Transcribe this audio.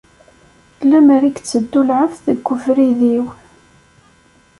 Lemmer i itteddu lεebd deg ubrid-iw!